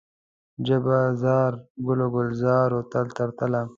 جبه زار، ګل و ګلزار و تل تر تله